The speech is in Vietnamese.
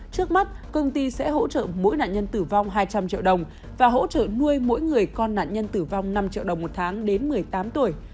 trước mắt công ty sẽ hỗ trợ mỗi nạn nhân tử vong hai trăm linh triệu đồng và hỗ trợ nuôi mỗi người con nạn nhân tử vong năm triệu đồng một tháng đến một mươi tám tuổi